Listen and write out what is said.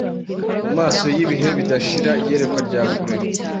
mumaso Yibihe bidashira iyerekwa rya kure